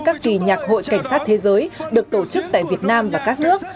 các kỳ nhạc hội cảnh sát thế giới được tổ chức tại việt nam và các nước